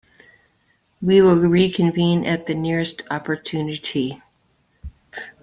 We will reconvene at the nearest opportunity.